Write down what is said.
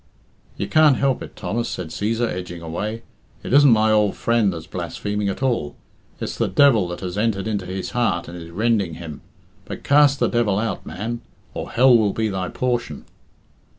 "You can't help it, Thomas," said Cæsar, edging away. "It isn't my ould friend that's blaspheming at all. It's the devil that has entered into his heart and is rending him. But cast the devil out, man, or hell will be thy portion."